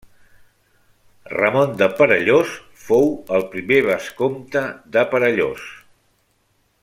Ramon de Perellós fou el primer vescomte de Perellós.